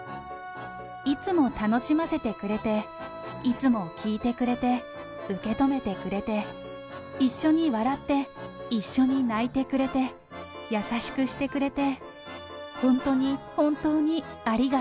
いつも楽しませてくれて、いつも聞いてくれて、受け止めてくれて、一緒に笑って、一緒に泣いてくれて、優しくしてくれて。